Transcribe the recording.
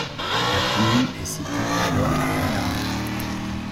La commune est citée à l’Ordre de l’armée.